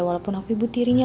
walaupun aku ibu tirinya